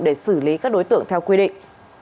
để xử lý các đối tượng theo quy định